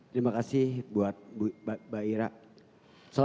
kemudian liegt gila